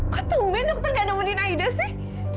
kok tunggu dokter tidak menemukan aida sih